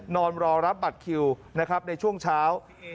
นอนรอรับบัตรคิวในช่วงเช้า